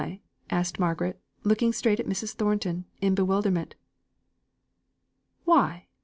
asked Margaret, looking straight at Mrs. Thornton, in bewilderment. "Why!